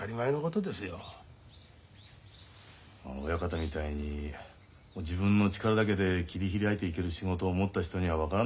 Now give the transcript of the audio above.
親方みたいに自分の力だけで切り開いていける仕事を持った人には分からないでしょう。